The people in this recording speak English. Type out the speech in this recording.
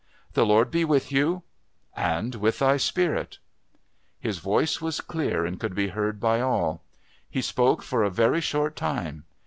"The Lord be with you." "And with Thy Spirit." His voice was clear and could be heard by all. He spoke for a very short time.